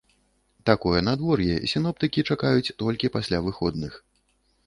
Такое надвор'е сіноптыкі чакаюць толькі пасля выходных.